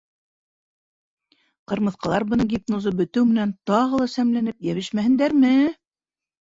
Ҡырмыҫҡалар бының гипнозы бөтөү менән тағы ла сәмләнеп йәбешмәһендәрме!